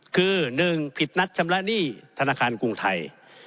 คือ๑ผิดนัดชำระหนี้ธนาคารกรุงไทย